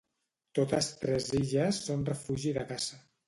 Totes tres illes són refugi de caça.